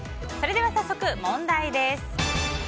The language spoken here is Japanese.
それでは早速問題です。